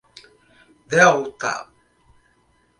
Delta